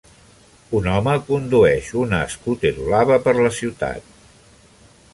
Un home condueix una escúter blava per la ciutat